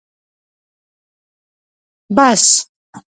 🚍 بس